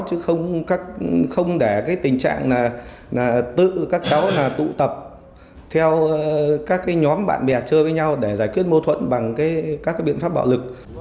chứ không để tình trạng tự các cháu tụ tập theo các nhóm bạn bè chơi với nhau để giải quyết mâu thuẫn bằng các biện pháp bạo lực